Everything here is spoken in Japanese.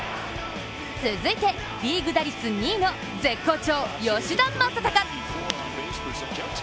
続いて、リーグ打率２位の絶好調、吉田正尚！